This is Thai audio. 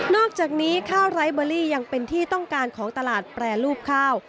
อกจากนี้ข้าวไร้เบอรี่ยังเป็นที่ต้องการของตลาดแปรรูปข้าว